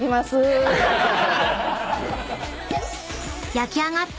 ［焼き上がった］